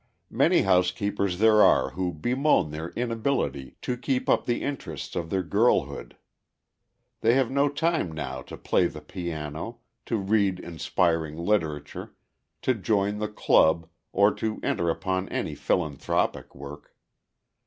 "Many housekeepers there are who bemoan their inability to keep up the interests of their girlhood. They have no time now to play the piano, to read inspiring literature, to join the club, or to enter upon any philanthropic work.